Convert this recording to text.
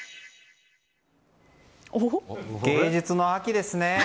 芸術の秋ですね。